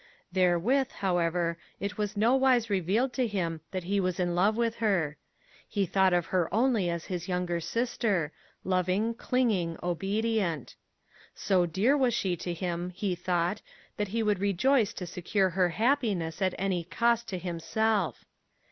Therewith, however, it was nowise revealed to him that he was in love with her. He thought of her only as his younger sister, loving, clinging, obedient. So dear was she to him, he thought, that he would rejoice to secure her happiness at any cost to himself.